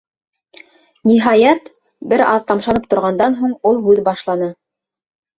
Ниһайәт, бер аҙ тамшанып торғандан һуң ул һүҙ башланы.